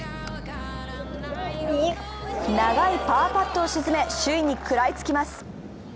長いパーパットを沈め首位に食らいつきます。